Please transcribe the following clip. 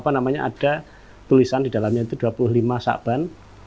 nah ini ada tulisan di dalamnya itu dua puluh lima saban sembilan ratus tujuh puluh delapan